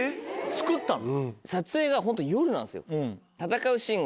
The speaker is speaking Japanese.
作ったの？